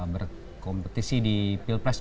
berkompetisi di pilpres dua ribu sembilan belas